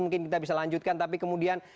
mungkin kita bisa lanjutkan tapi kemudian